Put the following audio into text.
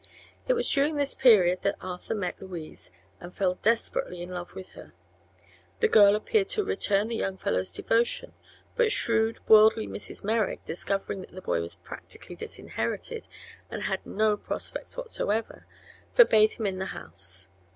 It was during this period that Arthur met Louise and fell desperately in love with her. The girl appeared to return the young fellow's devotion, but shrewd, worldly Mrs. Merrick, discovering that the boy was practically disinherited and had no prospects whatever, forbade him the house.